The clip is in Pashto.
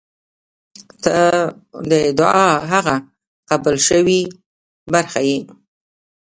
• ته د دعا هغه قبل شوې برخه یې.